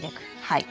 はい。